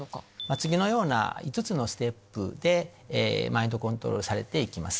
次のような５つのステップでマインドコントロールされて行きます。